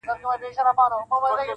څاڅکي څاڅکي څڅېدلې له انګوره,